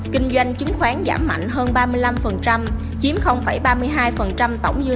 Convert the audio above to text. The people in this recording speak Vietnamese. kinh doanh chứng khoán giảm mạnh hơn ba mươi năm chiếm ba mươi hai tổng dư